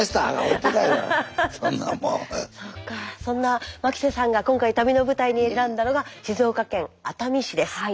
そんな牧瀬さんが今回旅の舞台に選んだのが静岡県熱海市です。